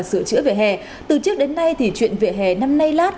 và sửa chữa vỉa hè từ trước đến nay thì chuyện vỉa hè năm nay lát